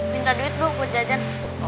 minta duit bu buat jajan